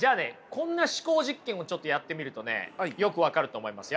こんな思考実験をやってみるとねよく分かると思いますよ。